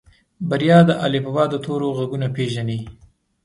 بريا د الفبا د تورو غږونه پېژني.